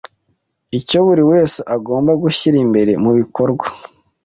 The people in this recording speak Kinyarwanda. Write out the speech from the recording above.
icyo buri wese agomba gushyira imbere mu bikorwa